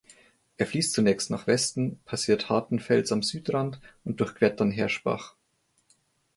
Er fließt zunächst nach Westen, passiert Hartenfels am Südrand und durchquert dann Herschbach.